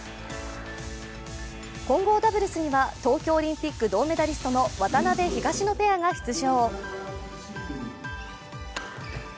混合ダブルスには東京オリンピック銅メダリストの渡辺・東野ペアが出場。